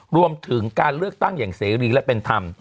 รวมถึงการเลือกตั้งอย่างเสรีและเป็นธรรม